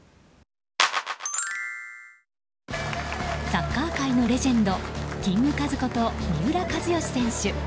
サッカー界のレジェンドキングカズこと三浦知良選手。